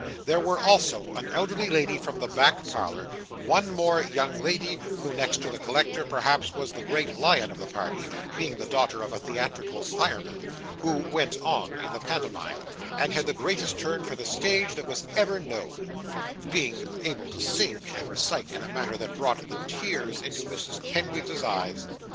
There were also an elderly lady from the back parlour, and one more young lady, who, next to the collector, perhaps was the great lion of the party, being the daughter of a theatrical fireman, who 'went on' in the pantomime, and had the greatest turn for the stage that was ever known, being able to sing and recite in a manner that brought the tears into Mrs. Kenwigs's eyes.